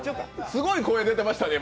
すごい声出てましたね。